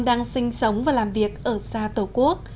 đang sinh sống và làm việc ở xa tổ quốc